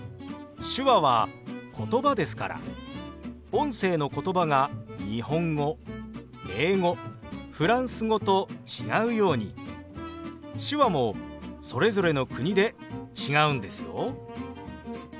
手話は言葉ですから音声の言葉が日本語英語フランス語と違うように手話もそれぞれの国で違うんですよ。